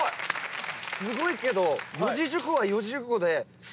すごいけど。